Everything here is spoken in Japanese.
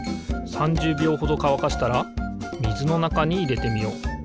３０びょうほどかわかしたらみずのなかにいれてみよう。